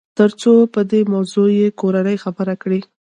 تر څو په دې موضوع يې کورنۍ خبره کړي.